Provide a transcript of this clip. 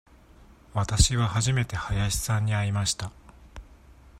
わたしは初めて林さんに会いました。